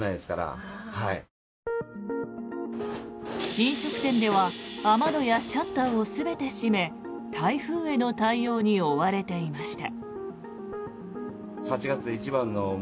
飲食店では雨戸やシャッターを全て閉め台風への対応に追われていました。